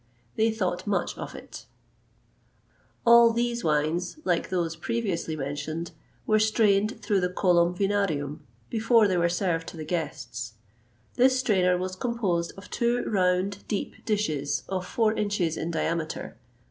They thought much of it.[XXVIII 131] All these wines, like those previously mentioned, were strained through the colum vinarium before they were served to the guests. This strainer was composed of two round, deep dishes, of four inches in diameter.